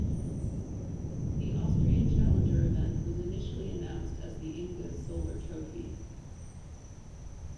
The Austrian Challenger event was initially announced as the Inge Solar Trophy.